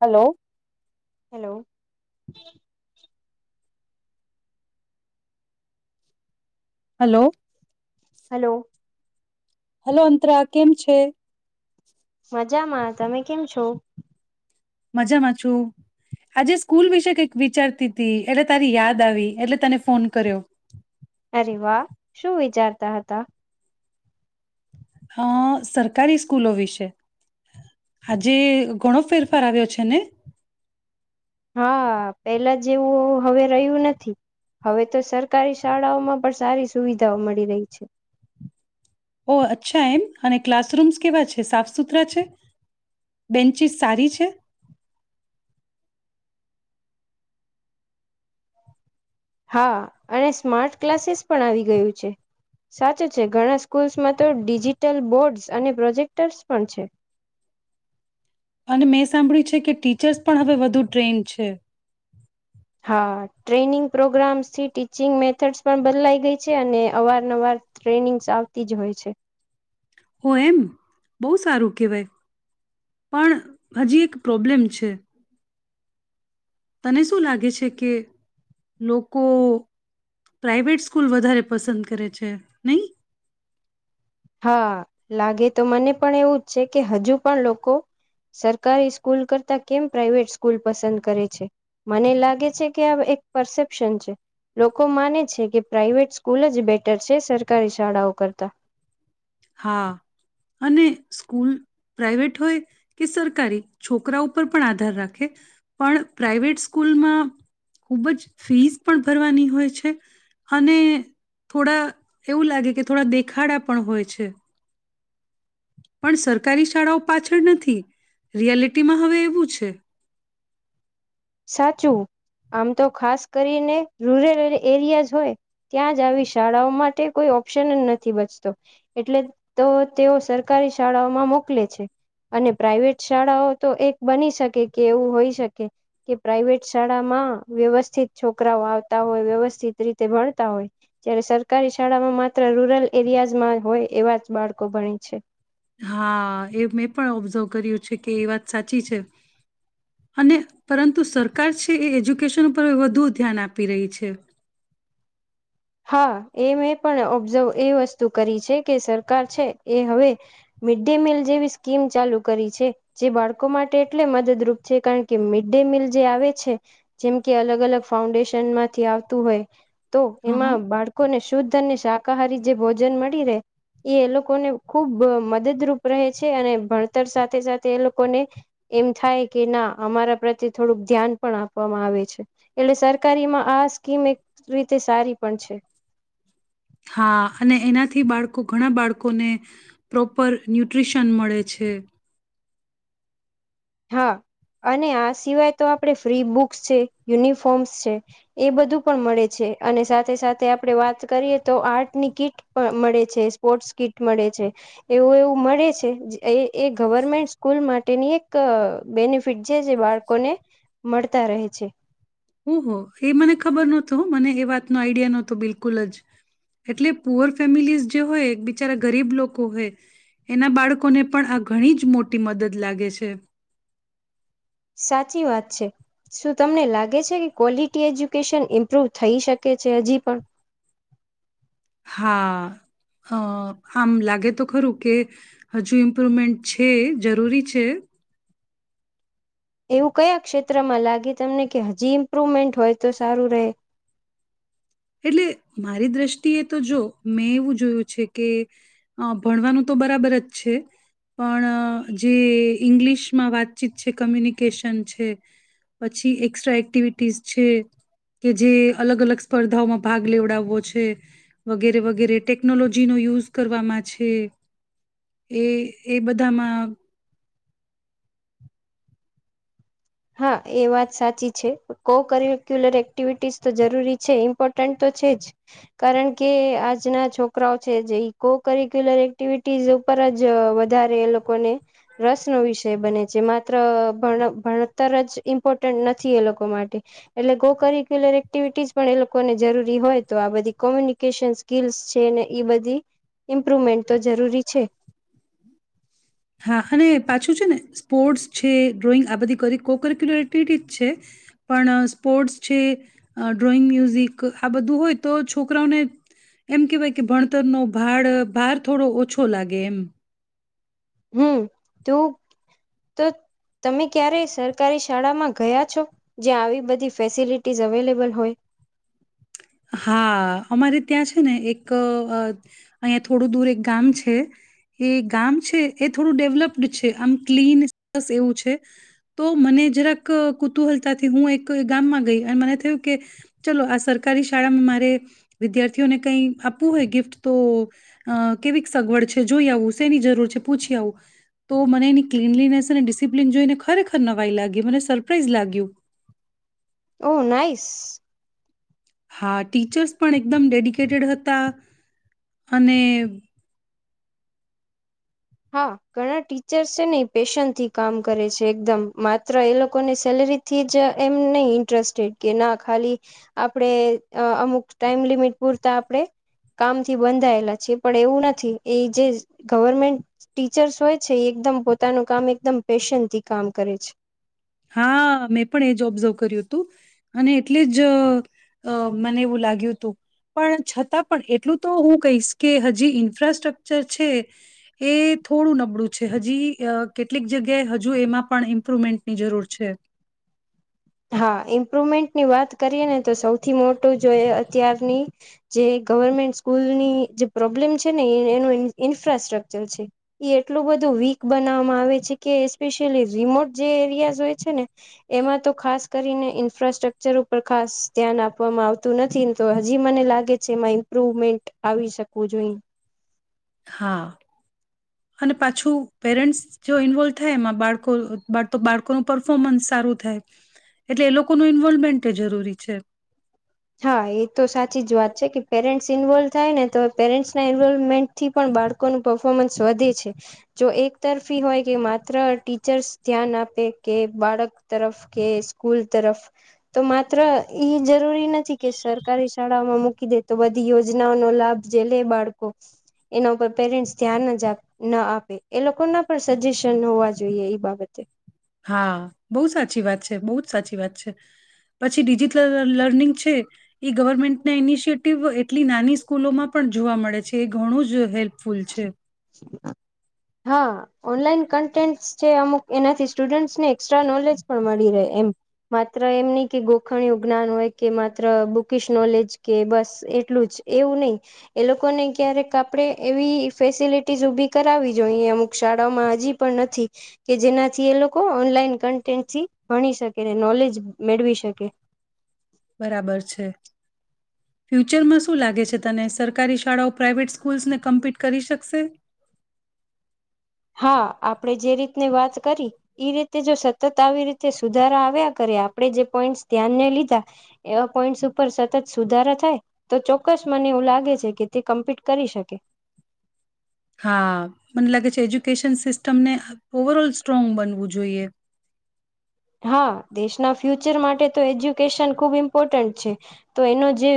Hello hello hello hello hello Antara કેમ છે? મજામાં તમે કેમ છો? મજામાં છું આજે સ્કૂલ વિશે કંઈક વિચારતી હતી એટલે તારી યાદ આવી એટલે તને ફોન કર્યો. અરે વાહ શું વિચારતા હતાં? અ સરકારી સ્કૂલો વિશે આજે ઘણો ફેરફાર આવ્યો છે. ને હા પેલા જેવું હવે રહ્યું નથી. હવે તો સરકારી શાળાઓમાં પણ સારી સુવિધાઓ મળી રહી છે. ઓ અચ્છા એમ અને ક્લાસરૂમ્સ કેવા છે. સાફ સુથરા છે. બેન્ચિસ સારી છે. હા અને સ્માર્ટ ક્લાસીસ પણ આવી ગયું છે. સાચું છે ઘણા સ્કૂલ્સમાં તો ડિજિટલ બોર્ડસ અને પ્રોજેક્ટર્સ પણ છે. અને મેં સાંભળ્યું છે કે ટીચર્સ પણ હવે વધુ ટ્રેન્ડ છે. હા ટ્રેનિંગ પ્રોગ્રામ્સથી ટીચિંગ મેથડ્સ પણ બદલાઈ ગઈ છે. અને અવારનવાર ટ્રેનિંગ્સ આવતી જ હોય છે. ઓ એમ બહુ સારું કહેવાય પણ હજી એક પ્રોબ્લેમ છે. તને શું લાગે છે. કે લોકો પ્રાાઈવેટ સ્કૂલ વધારે પસંદ કરે છે. નહી હા લાગે તો મને પણ એવું જ છે. કે હજુ પણ લોકો સરકારી સ્કૂલ કરતા કેમ પ્રાઇવેટ સ્કૂલ પસંદ કરે છે. મને લાગે છે. કે આ એક પરસેપ્શન છે. લોકો માને છે કે પ્રાાઈવેટ સ્કૂલ જ બેટર છે. સરકારી શાળાઓ કરતા. હા અને સ્કૂલ પ્રાઇવેટ હોય કે સરકારી છોકરા ઉપર પણ આધાર રાખે પણ પ્રાાઈવેટ સ્કૂલમાં ખુબ જ ફીસ પણ ભરવાની હોય છે. અને થોડા એવું લાગે કે થોડા દેખાડા પણ હોય છે. [unintelligible] પણ સરકારી શાળાઓ પાછળ નથી. રિયાલિટીમાં હવે એવું છે. સાચું આમ તો ખાસ કરીને રૂરલ એરિયા જ હોય. ત્યાં જ આવી શાળાઓ માટે કોઈ ઓપ્શન જ નથી બચતો. એટલે તો તેઓ સરકારી શાળાઓમાં મોકલે છે. અને પ્રાઈવેટ શાળાઓ તો એક બની શકે કે એવું હોઈ શકે. કે પ્રાઈવેટ શાળામાં વ્યવસ્થિત છોકરાઓ આવતા હોય. વ્યવસ્થિત રીતે ભણતા હોય જ્યારે સરકારી શાળામાં માત્ર રૂરલ એરિયાઝમાં હોય એવા જ બાળકો ભણી છે. હા એ મેં પણ ઓબ્ઝર્વ કર્યું છે. કે એ વાત સાચી છે. અને પરંતુ સરકાર છે. એ એજ્યુકેશન પરર વધુ ધ્યાન આપી રહી છે. હા એ મેં પણ ઓબ્ઝર્વ એ વસ્તુ કરી છે. કે સરકાર છે એ હવે મિડ ડે મિલ જેવી સ્કીમ ચાલુ કરી છે. જે બાળકો માટે એટલે મદદરૂપ છે કારણ કે મિડ ડે મિલ જે આવે છે. જેમ કે અલગ અલગ ફાઉન્ડેશનમાંથી આવતું હોય. હ હ એમાં બાળ લોકોને શુદ્ધ અને શાકાહારી જે ભોજન મળી રહે એ એ લોકોને ખુબ મદદરૂપ રહે છે. અને ભણતર સાથે સાથે એ લોકોને એમ થાય. કે ના અમારા પ્રત્યે થોડુંક ધ્યાન પણ આપવામાં આવે છે. એટલે સરકારીમાં આ સ્કીમ એક રીતે સારી. પણ છે. હા અને એનાથી બાળકો ઘણા બાળકોને પ્રોપર ન્યુટ્રીશન મળે છે. હા અને આ સિવાય તો આપણે ફ્રી બુક્સ છે. યુનિફોર્મ્સ છે એ બધું પણ મળે છે અને સાથે સાથે આપણે વાત કરીએ તો આર્ટની કીટ પણ મળે છે. સ્પોર્ટ્સ કીટ મળે છે એવું એવું મળે છે. એ એ ગવર્મેન્ટ સ્કૂલ માટેની એક એક બેનિફિટ છે. જે બાળકોને મળતા રહે છે. ઓહ એ મને ખબર નહોતો મને એ વાતનો આઈડિયા નહોતો બિલકુલ જ એટલે પુઅર ફેમિલીઝ જે હોય. બિચારા ગરીબ લોકો હોય એના બાળકોને પણ આ ઘણી જ મોટી મદદ લાગે છે. સાચી વાત છે. શું તમને લાગે છે. કે ક્વોલિટી એજ્યુકેશન ઇમ્પ્રુવ થઈ શકે છે હજી પણ. હા આમ લાગે તો ખરું કે હજુ ઇમ્પ્રુવમેન્ટ છે જરૂરી છે. એવું કયા ક્ષેત્રમાં લાગે તમને કે હજી ઇમ્પ્રુવમેન્ટ હોય તો સારું રહે. એટલે મારી દ્રષ્ટિએ તો જો મેં એવું જોયું છે. કે ભણવાનું તો બરાબર જ છે પણ જે ઇંગ્લિશમાં વાતચીત છે. કમ્યુનિકેશન છે પછી એક્સ્ટ્રા એક્ટિવિટીઝ છે. કે જે અલગ અલગ સ્પર્ધાઓમાં ભાગ લેવડાવવો છે. વગેરે વગેરે ટેકનોલોજીનો યુઝ કરવામાં છે. એ એ બધામાં હા એ વાત સાચી છે કો કરિક્યુલર એક્ટિવિટીસ તો જરૂરી છે ઈમ્પોર્ટન્ટ તો છે. જ કારણ કે આજના છોકરાઓ છે. જે કોકિક્યુલર એક્ટિવિટીઝ ઉપર જ વધારે એ લોકોને રસનોો વિષય બને છે. માત્ર ભણ ભણ તર જ ઇમ્પોર્ટન્ટ નથી એ લોકો માટે એટલે ગો કરિક્યુલર એક્ટિવિટીઝ પણ એ લોકોને જરૂરી હોય. તો આ બધી કોમ્યુનિકેશન સ્કીલ્સ છે. ને એ બધી ઇમ્પ્રુવમેન્ટ તો જરૂરી છે. હા અને પાછું છે ને સ્પોર્ટ્સ છે ડ્રોઈંગ આ બધી કરી કોકિક્યુલર એક્ટિવિટી છે. પણ સ્પોર્ટ્સ છે ડ્રોઈંગ મ્યુઝિક આ બધું હોય. તો છોકરાઓને એમ કહેવાય કે ભણતરનો ભાડ ભાર થોડો ઓછો લાગે એમ હમ તું તો તમે ક્યારે સરકારી શાળામાં ગયા છો. જ્યાં આવી બધી ફેસિલિટીઝ અવેલેબલ હોય. હા અમારે ત્યાં છે. ને એક અહીંયા થોડું દૂર એક ગામ છે. એ ગામ છે એ થોડું ડેવલપ્ડ છે. આમ ક્લીનસ એવું છે. તો મને જરાક કુતુહલતાથી હું એક ગામમાં ગઈ અને મને થયું. કે ચલો આ સરક સરકારી શાળામાં મારે વિદ્યાર્થીઓને કઈ આપવું હોય. ગિફ્ટ તો કેવી સગવડ છે. જોઈ આવું સ એની જરૂર છે. પૂછી આવું તો મને એની ક્લીનલીનેસ અને ડિસિપ્લીન જોઈને. ખરેખર નવાઈ લાગી મને સરપ્રાઈઝ લાગ્યું. ઓ નઈસ. હા ટીચર્સ પણ એકદમ ડેડિકેટેડ હતા. અને હા ઘણા ટીચર્સ છે. ને પેશનથી કામ કરે છે. એકદમ માત્ર એ લોકોને સેલરી થી જ એમ નહી ઇન્ટરેસ્ટેડ કે ના ખાલી આપણેે અમુક ટાઈમ લિમિટ પૂરતા આપણે કામથી બંધાયેલા છી. પણ એવું નથી એ જે ગવર્મેન્ટ ટીચર્સ હોય છે. એ એકદમ પોતાનું કામ એકદમ પેશનથી કામ કરે છે. હા મેં પણ એ જ ઓબ્ઝર્વ કર્યું હતું. અને એટલે જ મને એવું લાગ્યું હતું. પણ છતાં પણ એટલું તો હું કહીશ કે હજી ઇન્ફ્રાસ્ટ્રકચર છે. એ થોડું નબળું છે હજી કેટલીક જગ્યાએ હજુ એમાં પણ ઇમ્પ્રુવમેન્ટ ની જરૂર છે. હા ઇમ્પ્રુવમેન્ટની વાત કરીએ ને તો સૌથી મોટું જો એ અત્યારની જે ગવર્મેન્ટ સ્કૂલની જે પ્રોબ્લેમ છે. ને એનું ઇન્ફ્રાસ્ટ્રકચર છે. એ એટલું બધું વીક બનાવવામાં આવે છે. કે એસ્પેશિયલી રિમોટ જે એરિયાઝ હોય છે. ને એમાં તો ખાસ કરીને ઇન્ફ્રાસ્ટ્રક્ચર ઉપર ખાસ ધ્યાન આપવામાં આવતું નથી ને તો હજી મને લાગે છે. એમાં ઇમ્પ્રુવમેન્ટ આવી શકવું જોઈએ. હા અને પાછું પેરેન્ટ્સ જો ઇન્વોલ્વ થાય. એમાં બાળકો બાળકોનું પરફોર્મન્સ સારું થાય. એટલે એ લોકોનું ઇન્વોલ્વમેન્ટ જરૂરી છે. હા એ તો સાચી જ વાત છે. કે પેરેન્ટ્સ ઈન્વોલ્વ થાય ને તો પેરેન્ટ્સના ઇન્વોલ્મેન્ટથી પણ બાળકોનું પર્ફોર્મન્સ વધે છે. જો એક તરફી હોય કે માત્ર ટીચર્સ ધ્યાન આપે કે બાળક તરફ કે સ્કૂલ તરફ તો માત્ર એઈ જરૂરી નથી. કે સરકારી શાળાઓમાં મૂકી દે તો બધી યોજનાઓનો લાભ જે લે બાળકો એના ઉપર પેરેન્ટ્સ ધ્યાન જ ના આપે એ લોકો ના પણ સજેશન હોવા. જોઈએ એ બાબતે હા બહુ સાચી વાત છે. બહુ જ સાચી વાત છે પછી ડિજિટલ લર્નિંગ છે. એ ગવર્મેન્ટના ઇનિશિએટિવ એટલી નાની સ્કૂલોમાં પણ જોવા મળે છે. એ ઘણું જ હેલ્પ હા ઓનલાઈન કન્ટેન્ટ છે અમુક એનાથી સ્ટુડન્ટસને એસ્ટ્રા નોલેજ પણ મળી રહે એમ માત્ર એમ નહી કે ગોખણીય જ્ઞાન હોય કે માત્ર બુકિશ નોલેજ કે બસ એટલું જ એવું નહીિ એ લોકોને ક્યારેક આપણે. એવી ફેસિલિટીઝ ઉભી કરાવવી જોઈએ અમુક શાળાઓમાં હજી પણ નથી કે જેનાથી એ લોકો ઓનલાઈન કન્ટેન્ટથી ભણી શકે ને નોલેજ મેળવી શકે. બરાબર છે ફ્યુચરમાં શું લાગે છે તને સરકારી શાળાઓ પ્રઇવેટ સ્કૂલ્સને કમ્પિટ કરી શકશે. હા આપણે જે રીતને વાત કરી એ રીતે જો સતત આવી રીતે સુધારા આવ્યા કરે આપણે જે પોઈન્ટ્સ ધ્યાનને લીધા એવા પોઈન્ટ્સ ઉપર સતત સુધારા થાય તો ચોક્કસ મને એવું લાગે છે કે તે કમ્પ્લીટ કરી શકે. હા મને લાગે છે એજ્યુકેશન સિસ્ટમને ઓવરઓલ સ્ટ્રોંગ બનવું જોઈએ. હા દેશના ફ્યુચર માટે તો એજ્યુકેશન ખૂબ ઇમ્પોર્ટન્ટ છે તો એનો જે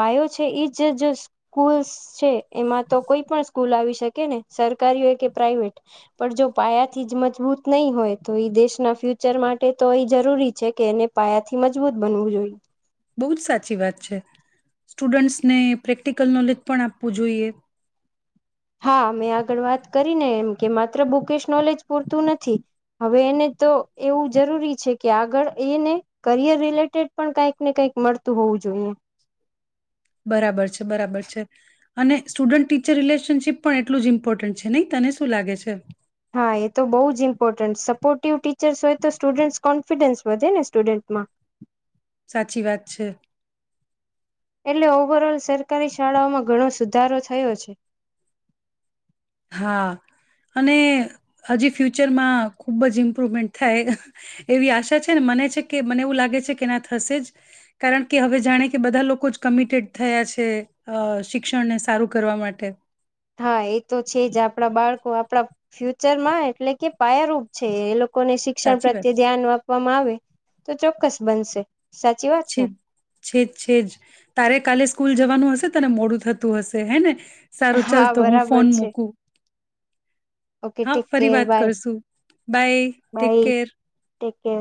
પાયો છે એ જ સ્કૂલ્સ છે એમાં તો કોઈ પણ સ્કૂલ આવી શકે ને સરકારી હોય કે પ્રાઈવેટ પણ જો પાયાથી જ મજબૂત નહી હોય તો દેશના ફ્યુર. પિકચર માટે તો એ જરૂરી છે કે એને પાયાથી મજબૂત બનવું જોઈએ. બહુ જ સાચી વાત છે સ્ટુડન્ટ્સને પ્રેક્ટિકલ નોલેજ પણ આપવું જોઈએ. હા મેં આગળ વાત કરીને એમ કે માત્ર બુકેશ નોલેજ પૂરતું નથી હવે એને તો એવું જરૂરી છે કે આગળ એને કરિયર રિલેટેડ પણ કઈક ને કઈક મળતું હોવું જોઈએ. બરાબર છે બરાબર છે અને સ્ટુડન્ટ ટીચર રિલેશનશીપ પણ એટલું જ ઇમ્પોર્ટન્ટ છે નહી તને શું લાગે છે. હા એ તો બહુ જ ઇમ્પોર્ટન્ટ સપોર્ટિવ ટીચર્સ હોય તો સ્ટુડન્ટસ કોન્ફિડન્સ વધે ને સ્ટુડન્ટમાં. સાચી વાત છે. એટલે ઓવરઓલ સરકારી શાળાઓમાં ઘણો સુધારો થયો છે. હા અને હજી ફ્યુચરમાં ખૂબ જ ઇમ્પ્રુવમેન્ટ થાય એવી આશા છે ને મને છે કે મને એવું લાગે છે કે ના થશે જ કારણ કે હવે જાણે કે બધા લોકો જ કમિટેડ થયા છે શિક્ષણને સારું કરવા માટે. હા એ તો છે જ આપણા બાળકો આપણા ફ્યુચર માં એટલે કે પાાયારૂપ છે એ લોકો. લોકોને શિક્ષણ સાચી વાત પ્રત્યે ધ્યાન આપવામાં આવે તો ચોક્કસ. બનશે. સાચી વાત ને છેદ છેદ છેદ તારે કાલે સ્કૂલ જવાનું હશે તને મોડું થતું હશે હે ને. સારું ચાલ હા તો હું બરાબર ફોન છે મૂકું. ઓકે હા ટેક ફરી કેર વાત બાય કરશું બાય ટેક કેર. ટેકે.